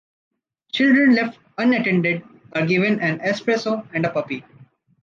Children left unattended are given an espresso and a puppy.